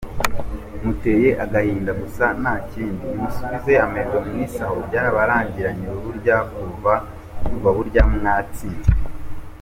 Muteye agahinda gusa ntakindi, nimusubize amerwe mwisaho byarabarangiranye kuva burya mutsinzwe.